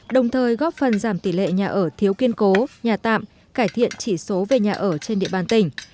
đồng thời góp phần giảm tỷ lệ nhà ở thiếu kiên cố nhà tạm cải thiện chỉ số về nhà ở trên địa bàn tỉnh